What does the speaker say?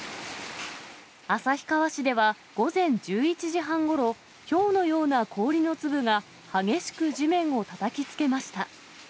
旭川市では午前１１時半ごろ、ひょうのような氷の粒が激しく地面をたたきつけました。